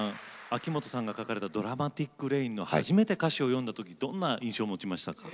秋元さんが書かれた「ドラマティック・レイン」の初めて歌詞を読んだ時どんな印象を持ちましたか？